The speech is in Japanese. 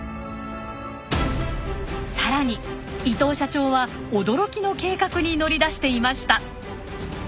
さらに伊藤社長は驚きの計画に乗り出していました。